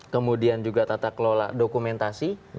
kemudian juga tata kelola dokumentasi